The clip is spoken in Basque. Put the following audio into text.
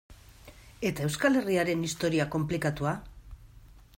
Eta Euskal Herriaren historia konplikatua?